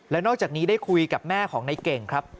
แล้วนอกจากนี้ได้คุยกับแม่ของในเก่งครับ